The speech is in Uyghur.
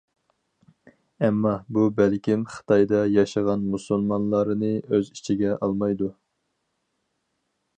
ئەمما ، بۇ بەلكىم خىتايدا ياشىغان مۇسۇلمانلارنى ئۆز ئىچىگە ئالمايدۇ .